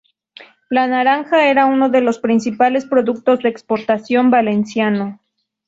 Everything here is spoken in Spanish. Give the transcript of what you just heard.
La naranja era uno de los principales productos de exportación valenciano.